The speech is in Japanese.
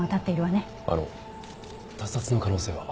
あの他殺の可能性は？